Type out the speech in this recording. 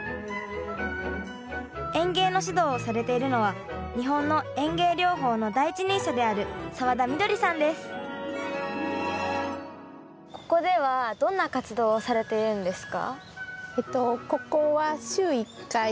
園芸の指導をされているのは日本の園芸療法の第一人者であるここではどんな活動をされてるんですか？